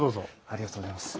ありがとうございます。